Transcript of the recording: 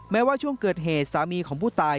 แม้ว่าช่วงเกิดเหตุสามีของผู้ตาย